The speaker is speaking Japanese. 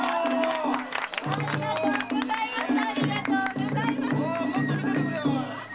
ありがとうございます。